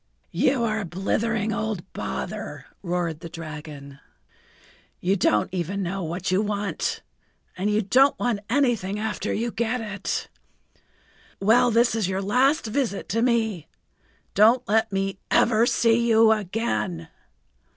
"You are a blithering old bother," roared the dragon. "You don't know what you want and you don't want anything after you get it. Well, this is your[Pg 74] last visit to me. Don't let me ever see you again."